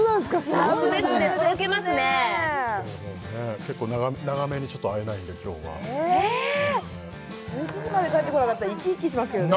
ラブラブですね結構長めに会えないんで今日は１１時まで帰ってこなかったら生き生きしますけどね